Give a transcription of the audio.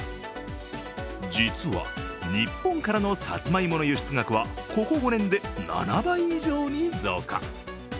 実は、日本からのさつまいもの輸出額はここ５年で７倍以上に増加。